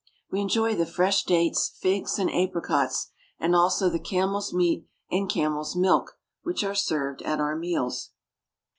We enjoy the fresh dates, figs, and apricots, and also the camel's meat and camel's milk which are served at our meals.